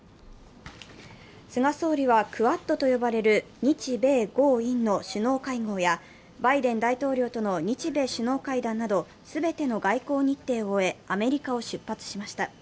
菅総理は、クアッドと呼ばれる日米豪印の首脳会合やバイデン大統領との日米首脳会談など全ての外交日程を終え、アメリカを出発しました。